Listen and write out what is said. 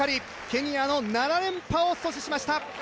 ケニアの７連覇を阻止しました。